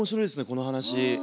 この話。